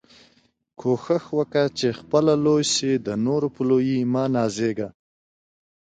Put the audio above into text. کوښښ وکه، چي خپله لوى سې، د نورو په لويي مه نازېږه!